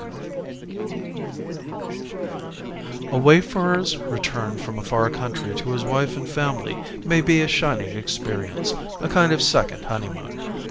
net _A wayfarer's return from a far country to his wife and family may be a shining experience, a kind of second honeymoon.